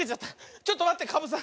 ちょっとまってかぶさん！